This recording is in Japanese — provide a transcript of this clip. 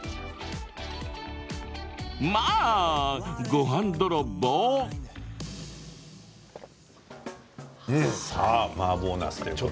ごはん泥ボー！さあマーボーなすということで。